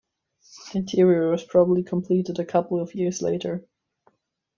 The interior was probably completed a couple of years later.